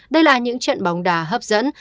đây là những trận bóng đá hấp dẫn